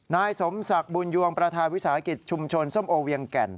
นายสมศักดิ์บุญยวงประธานวิสาหกิจชุมชนส้มโอเวียงแก่น